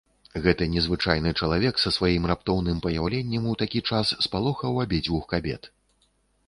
Гэты незвычайны чалавек са сваім раптоўным паяўленнем у такі час спалохаў абедзвюх кабет.